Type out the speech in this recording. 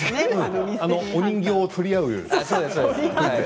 あのお人形を取り合う。